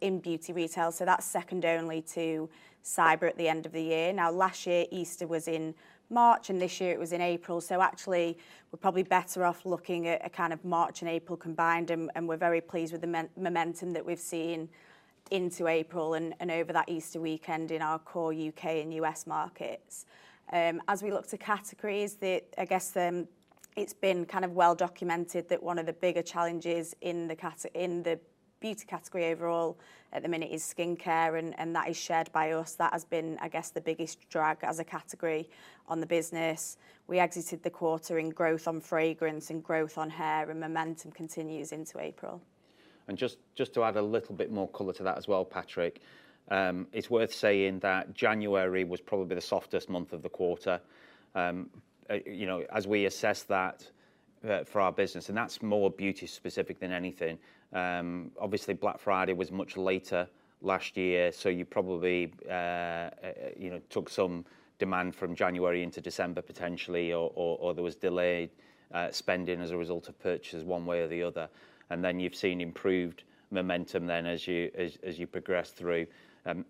in beauty retail. That is second only to cyber at the end of the year. Last year Easter was in March, and this year it was in April. Actually, we are probably better off looking at March and April combined, and we are very pleased with the momentum that we have seen into April and over that Easter weekend in our core U.K. and U.S. markets. As we look to categories, I guess it has been well documented that one of the bigger challenges in the beauty category overall at the minute is skincare, and that is shared by us. That has been, I guess, the biggest drag as a category on the business. We exited the quarter in growth on fragrance and growth on hair, and momentum continues into April. To add a little bit more color to that as well, Patrick, it's worth saying that January was probably the softest month of the quarter, you know, as we assess that for our business. That's more beauty specific than anything. Obviously, Black Friday was much later last year, so you probably took some demand from January into December potentially, or there was delayed spending as a result of purchases one way or the other. You have seen improved momentum then as you progressed through.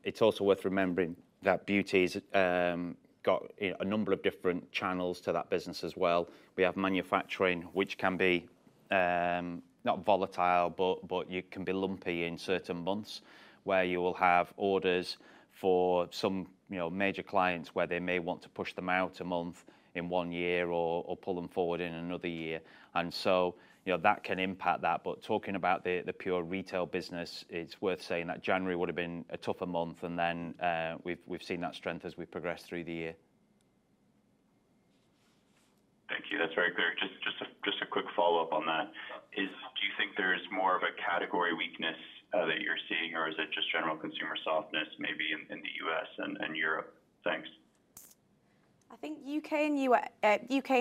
It's also worth remembering that beauty has got a number of different channels to that business as well. We have manufacturing, which can be not volatile, but it can be lumpy in certain months where you will have orders for some major clients where they may want to push them out a month in one year or pull them forward in another year. That can impact that. Talking about the pure retail business, it's worth saying that January would have been a tougher month, and then we've seen that strength as we progressed through the year. Thank you. That's very clear. Just a quick follow-up on that. Do you think there's more of a category weakness that you're seeing, or is it just general consumer softness maybe in the U.S. and Europe? Thanks. I think U.K.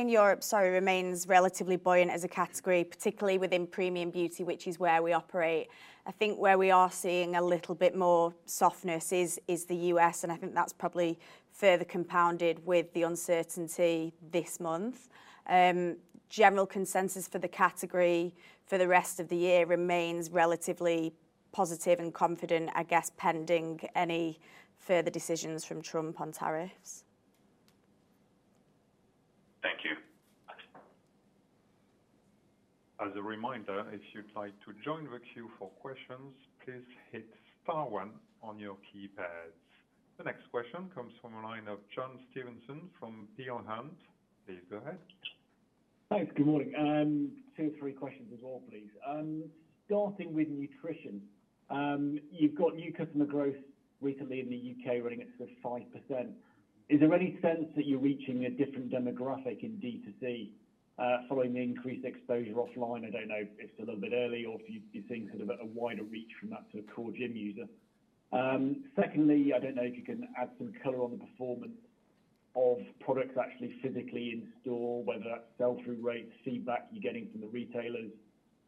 and Europe, sorry, remains relatively buoyant as a category, particularly within premium beauty, which is where we operate. I think where we are seeing a little bit more softness is the U.S., and I think that's probably further compounded with the uncertainty this month. General consensus for the category for the rest of the year remains relatively positive and confident, I guess, pending any further decisions from Trump on tariffs. Thank you. As a reminder, if you'd like to join the queue for questions, please hit Star 1 on your keypads. The next question comes from a line of John Stevenson from Peel Hunt, please go ahead. Hi, good morning. Two or three questions as well, please. Starting with Nutrition, you've got new customer growth recently in the U.K. running at sort of 5%. Is there any sense that you're reaching a different demographic in D2C following the increased exposure offline? I don't know if it's a little bit early or if you're seeing sort of a wider reach from that sort of core gym user. Secondly, I don't know if you can add some color on the performance of products actually physically in store, whether that's sell-through rates, feedback you're getting from the retailers,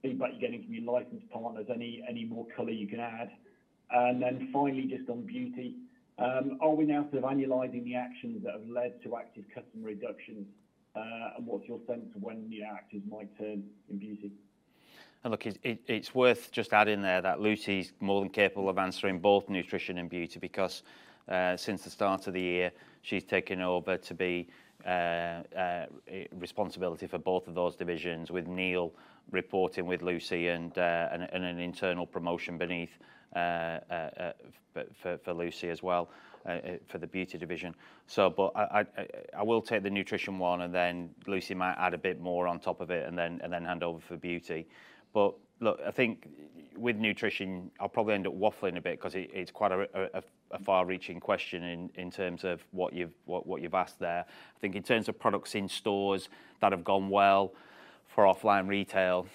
feedback you're getting from your licensed partners, any more color you can add. Finally, just on Beauty, are we now sort of annualizing the actions that have led to active customer reductions, and what's your sense of when the active might turn in Beauty? Look, it's worth just adding there that Lucy's more than capable of answering both nutrition and beauty because since the start of the year, she's taken over to be responsibility for both of those divisions, with Neil reporting with Lucy and an internal promotion beneath for Lucy as well for the beauty division. I will take the nutrition one, and then Lucy might add a bit more on top of it and then hand over for beauty. Look, I think with nutrition, I'll probably end up waffling a bit because it's quite a far-reaching question in terms of what you've asked there. I think in terms of products in stores that have gone well for offline retail,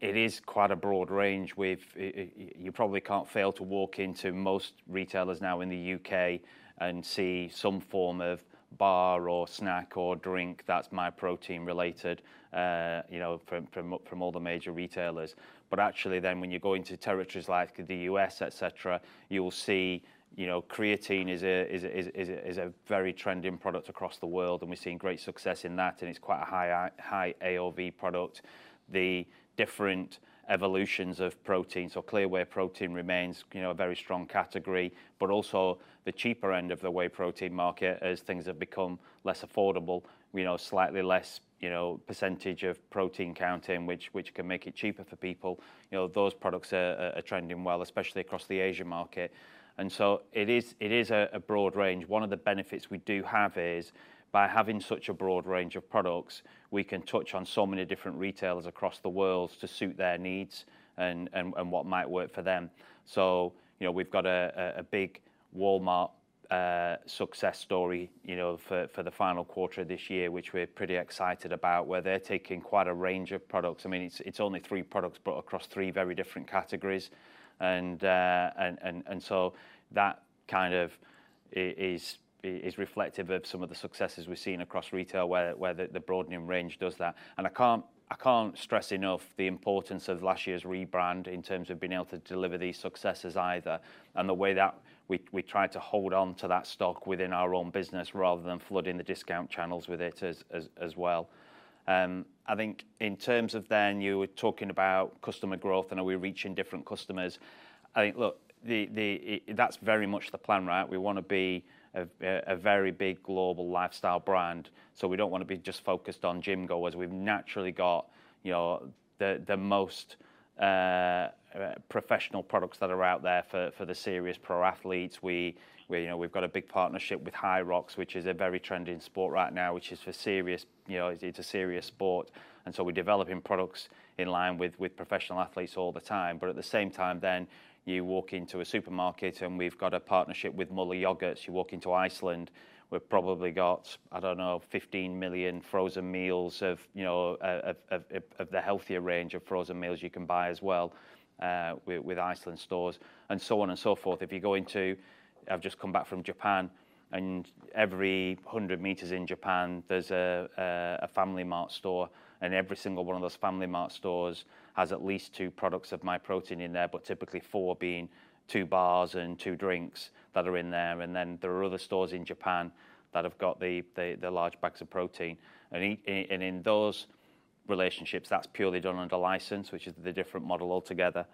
it is quite a broad range. You probably can't fail to walk into most retailers now in the U.K. and see some form of bar or snack or drink that's Myprotein-related, you know, from all the major retailers. Actually, when you go into territories like the U.S., etc., you'll see creatine is a very trending product across the world, and we've seen great success in that, and it's quite a high AOV product. The different evolutions of protein, so clear whey protein remains, you know, a very strong category, but also the cheaper end of the whey protein market as things have become less affordable, you know, slightly less, you know, percentage of protein counting, which can make it cheaper for people. You know, those products are trending well, especially across the Asian market. It is a broad range. One of the benefits we do have is by having such a broad range of products, we can touch on so many different retailers across the world to suit their needs and what might work for them. We have a big Walmart success story, you know, for the final quarter of this year, which we're pretty excited about, where they're taking quite a range of products. I mean, it's only three products, but across three very different categories. That kind of is reflective of some of the successes we've seen across retail, where the broadening range does that. I can't stress enough the importance of last year's rebrand in terms of being able to deliver these successes either, and the way that we tried to hold on to that stock within our own business rather than flooding the discount channels with it as well. I think in terms of then you were talking about customer growth and are we reaching different customers. I think, look, that's very much the plan, right? We want to be a very big global lifestyle brand. We don't want to be just focused on gym goals. We've naturally got the most professional products that are out there for the serious pro athletes. We've got a big partnership with HYROX, which is a very trending sport right now, which is for serious, you know, it's a serious sport. We are developing products in line with professional athletes all the time. At the same time, you walk into a supermarket and we've got a partnership with Müller Yogurts. You walk into Iceland, we've probably got, I don't know, 15 million frozen meals of the healthier range of frozen meals you can buy as well with Iceland stores and so on and so forth. If you go into, I've just come back from Japan, and every 100 meters in Japan, there's a Family Mart store, and every single one of those Family Mart stores has at least two products of Myprotein in there, but typically four being two bars and two drinks that are in there. There are other stores in Japan that have got the large bags of protein. In those relationships, that's purely done under license, which is the different model altogether.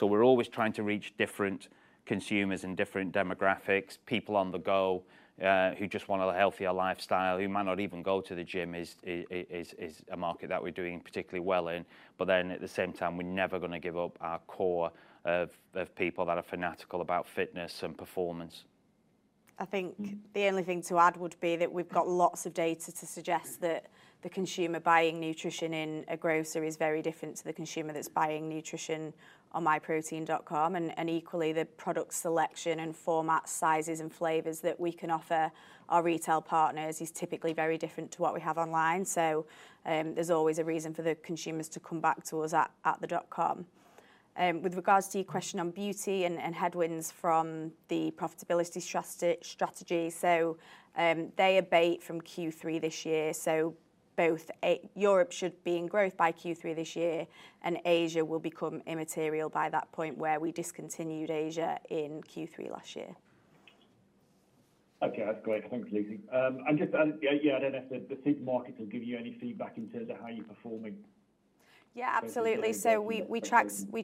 We're always trying to reach different consumers in different demographics, people on the go who just want a healthier lifestyle, who might not even go to the gym is a market that we're doing particularly well in. At the same time, we're never going to give up our core of people that are fanatical about fitness and performance. I think the only thing to add would be that we've got lots of data to suggest that the consumer buying nutrition in a grocery is very different to the consumer that's buying nutrition on myprotein.com. Equally, the product selection and format, sizes, and flavors that we can offer our retail partners is typically very different to what we have online. There is always a reason for the consumers to come back to us at the dot com. With regards to your question on beauty and headwinds from the profitability strategy, they abate from Q3 this year. Both Europe should be in growth by Q3 this year, and Asia will become immaterial by that point where we discontinued Asia in Q3 last year. Okay, that's great. Thanks, Lucy. Yeah, I don't know if the supermarkets will give you any feedback in terms of how you're performing. Yeah, absolutely. We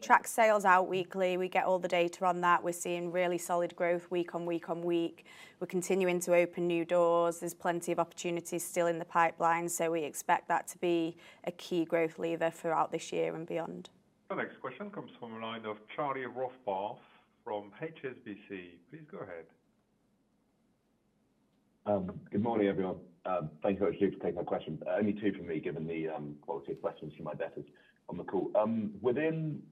track sales out weekly. We get all the data on that. We're seeing really solid growth week on week on week. We're continuing to open new doors. There's plenty of opportunities still in the pipeline, so we expect that to be a key growth lever throughout this year and beyond. The next question comes from a line of Charlie Rothbarth from HSBC. Please go ahead. Good morning, everyone. Thanks so much for taking my question. Only two from me, given the quality of questions from my desk is on the call. Within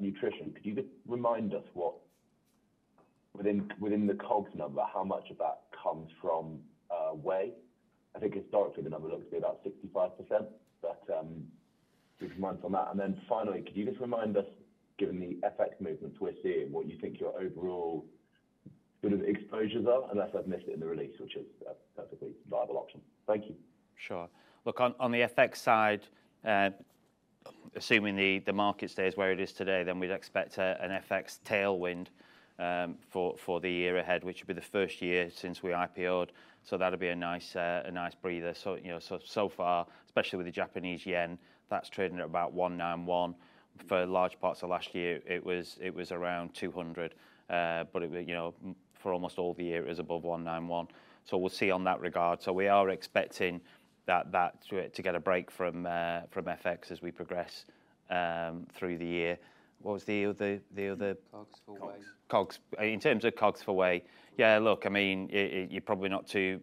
nutrition, could you remind us what within the COGS number, how much of that comes from whey? I think historically the number looks to be about 65%, but would you mind on that? Finally, could you just remind us, given the FX movements we're seeing, what you think your overall bit of exposures are, unless I've missed it in the release, which is a perfectly viable option? Thank you. Sure. Look, on the FX side, assuming the market stays where it is today, then we'd expect an FX tailwind for the year ahead, which would be the first year since we IPO'd. That'll be a nice breather. So far, especially with the Japanese yen, that's trading at about 191. For large parts of last year, it was around 200, but for almost all the year, it was above 191. We will see on that regard. We are expecting that to get a break from FX as we progress through the year. What was the other? COGS for whey. COGS. In terms of COGS for whey, yeah, look, I mean, you're probably not too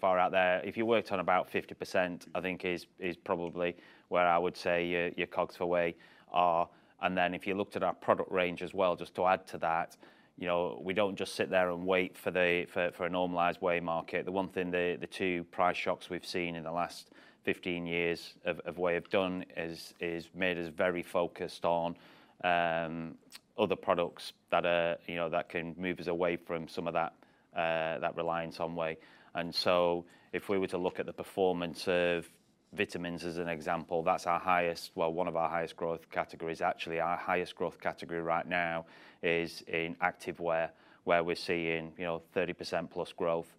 far out there. If you worked on about 50%, I think is probably where I would say your COGS for whey are. If you looked at our product range as well, just to add to that, we don't just sit there and wait for a normalised whey market. The one thing the two price shocks we've seen in the last 15 years of whey have done is made us very focused on other products that can move us away from some of that reliance on whey. If we were to look at the performance of vitamins as an example, that's our highest, well, one of our highest growth categories. Actually, our highest growth category right now is in activewear, where we're seeing 30% plus growth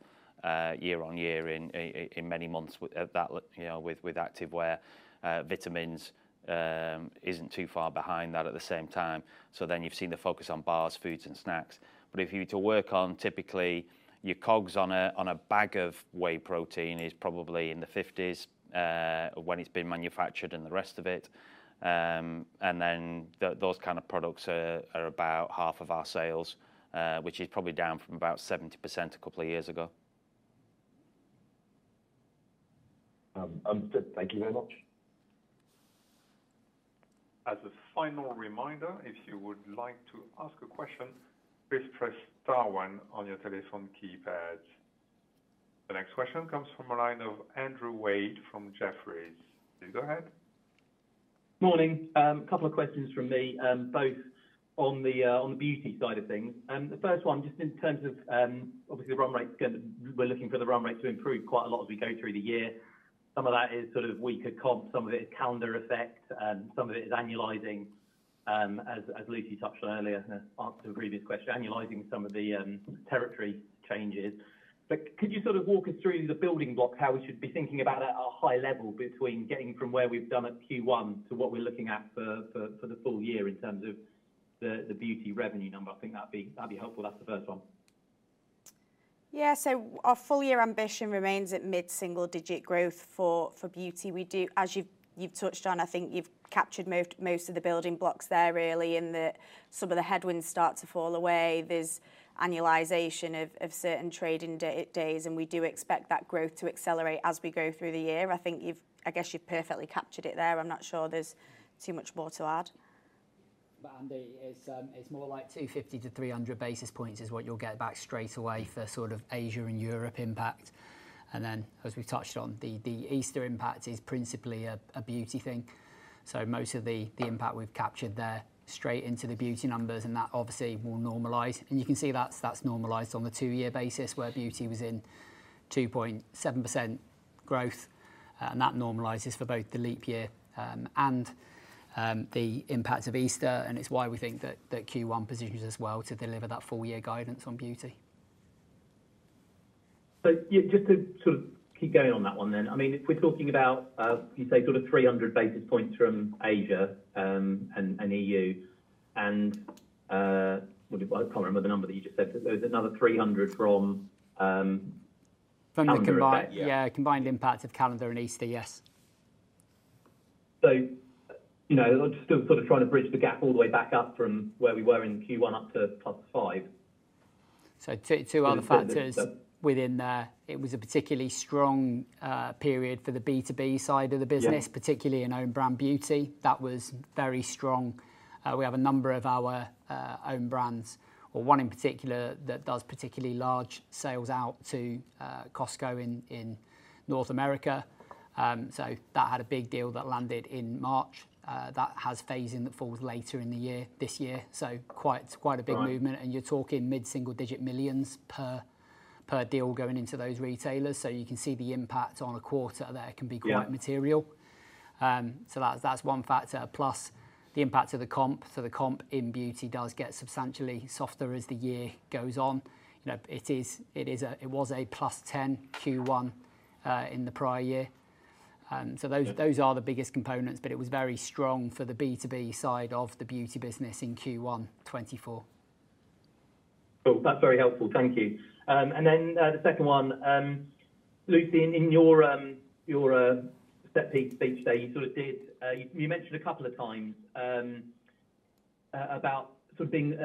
year on year in many months with activewear. Vitamins isn't too far behind that at the same time. You have seen the focus on bars, foods, and snacks. If you were to work on typically your COGS on a bag of whey protein, it is probably in the 50s when it's been manufactured and the rest of it. Those kinds of products are about half of our sales, which is probably down from about 70% a couple of years ago. Thank you very much. As a final reminder, if you would like to ask a question, please press Star 1 on your telephone keypads. The next question comes from a line of Andrew Wade from Jefferies. Please go ahead. Morning. A couple of questions from me, both on the beauty side of things. The first one, just in terms of obviously the run rate, we're looking for the run rate to improve quite a lot as we go through the year. Some of that is sort of weaker comp, some of it is calendar effect, and some of it is annualizing, as Lucy touched on earlier, to answer the previous question, annualizing some of the territory changes. Could you sort of walk us through the building blocks, how we should be thinking about it at a high level between getting from where we've done at Q1 to what we're looking at for the full year in terms of the beauty revenue number? I think that'd be helpful. That's the first one. Yeah, our full year ambition remains at mid-single digit growth for beauty. As you've touched on, I think you've captured most of the building blocks there really, and some of the headwinds start to fall away. There's annualisation of certain trading days, and we do expect that growth to accelerate as we go through the year. I think I guess you've perfectly captured it there. I'm not sure there's too much more to add. It's more like 250-300 basis points is what you'll get back straight away for sort of Asia and Europe impact. As we've touched on, the Easter impact is principally a beauty thing. Most of the impact we've captured there straight into the beauty numbers, and that obviously will normalize. You can see that's normalized on the two-year basis where beauty was in 2.7% growth, and that normalizes for both the leap year and the impact of Easter, and it's why we think that Q1 positions as well to deliver that full year guidance on beauty. Just to sort of keep going on that one then, I mean, if we're talking about, you say sort of 300 basis points from Asia and EU, and I can't remember the number that you just said, but there was another 300 from. From the combined. Yeah, combined impact of calendar and Easter, yes. You know I'm still sort of trying to bridge the gap all the way back up from where we were in Q1 up to plus five. Two other factors within there. It was a particularly strong period for the B2B side of the business, particularly in own brand beauty. That was very strong. We have a number of our own brands, or one in particular that does particularly large sales out to Costco in North America. That had a big deal that landed in March. That has phasing that falls later in the year this year. Quite a big movement, and you're talking mid-single digit millions per deal going into those retailers. You can see the impact on a quarter there can be quite material. That's one factor. Plus the impact of the comp. The comp in beauty does get substantially softer as the year goes on. It was a plus 10% Q1 in the prior year. Those are the biggest components, but it was very strong for the B2B side of the beauty business in Q1 2024. That's very helpful. Thank you. The second one, Lucy, in your speech there, you sort of did, you mentioned a couple of times about sort of being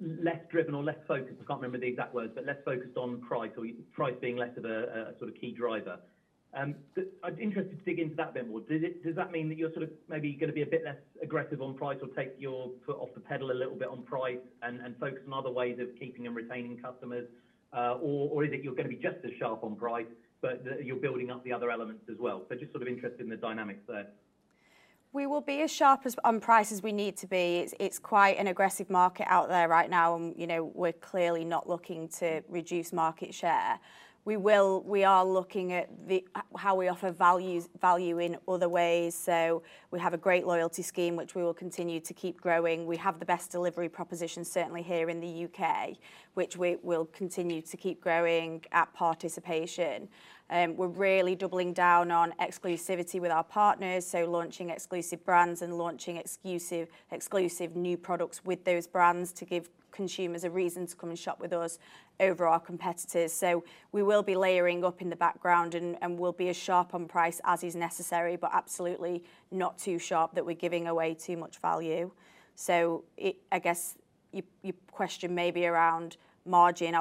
less driven or less focused. I can't remember the exact words, but less focused on price, or price being less of a sort of key driver. I'd be interested to dig into that a bit more. Does that mean that you're sort of maybe going to be a bit less aggressive on price or take your foot off the pedal a little bit on price and focus on other ways of keeping and retaining customers? Or is it you're going to be just as sharp on price, but you're building up the other elements as well? Just sort of interested in the dynamics there. We will be as sharp on price as we need to be. It's quite an aggressive market out there right now, and we're clearly not looking to reduce market share. We are looking at how we offer value in other ways. We have a great loyalty scheme, which we will continue to keep growing. We have the best delivery proposition certainly here in the U.K., which we'll continue to keep growing at participation. We're really doubling down on exclusivity with our partners, launching exclusive brands and launching exclusive new products with those brands to give consumers a reason to come and shop with us over our competitors. We will be layering up in the background and will be as sharp on price as is necessary, but absolutely not too sharp that we're giving away too much value. I guess your question may be around margin.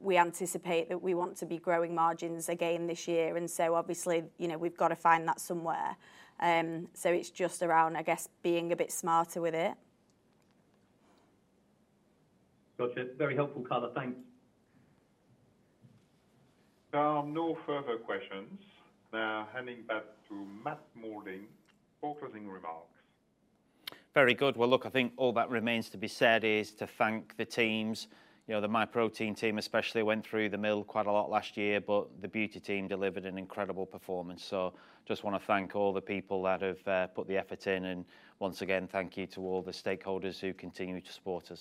We anticipate that we want to be growing margins again this year, and obviously we've got to find that somewhere. It's just around, I guess, being a bit smarter with it. Got it. Very helpful, color. Thanks. No further questions. Now, handing back to Matt Moulding for closing remarks. Very good. Look, I think all that remains to be said is to thank the teams. The Myprotein team especially went through the mill quite a lot last year, but the beauty team delivered an incredible performance. I just want to thank all the people that have put the effort in, and once again, thank you to all the stakeholders who continue to support us.